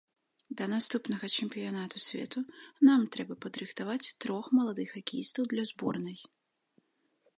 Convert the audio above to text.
Да наступнага чэмпіянату свету нам трэба падрыхтаваць трох маладых хакеістаў для зборнай.